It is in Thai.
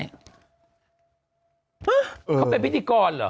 เขาเป็นพิธีกรเหรอ